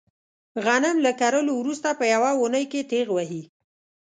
غنم له کرلو ورسته په یوه اونۍ کې تېغ وهي.